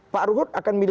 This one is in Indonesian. pak ruhut akan bina